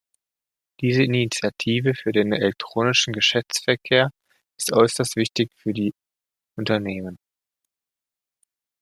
Diese Initiative für den elektronischen Geschäftsverkehr ist äußerst wichtig für die Unternehmen.